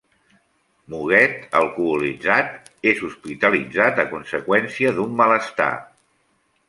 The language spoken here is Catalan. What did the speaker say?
Muguet, alcoholitzat, és hospitalitzat a conseqüència d'un malestar.